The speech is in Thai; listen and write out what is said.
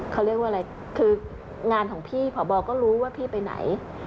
เขาเรียกว่าอะไรคืองานของพี่ผอบอก็รู้ว่าพี่ไปไหน